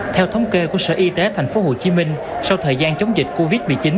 theo thống kê của sở y tế tp hcm sau thời gian chống dịch covid một mươi chín